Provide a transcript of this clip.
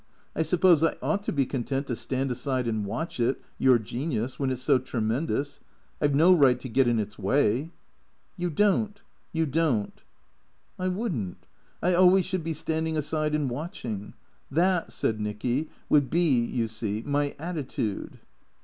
I suppose I ought to be content to stand aside and watch it, your genius, when it's so tremendous. I 've no right to get in its way '*" You don't — you don't." " I would n't. I always should be standing aside and watch ing. That," said Nicky, " would be, you see, my attitude."